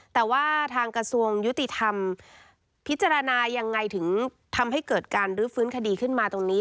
แต่ว่าทางกระทรวงยุติธรรมพิจารณายังไงถึงทำให้เกิดการรื้อฟื้นคดีขึ้นมาตรงนี้